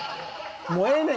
もうええねん。